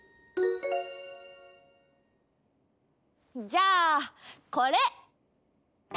じゃあこれ！